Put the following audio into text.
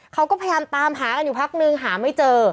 เขาก็พยายามตามหากันอยู่พักนึงหาไม่เจอ